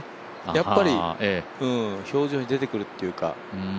やっぱり表情に出てくるというか。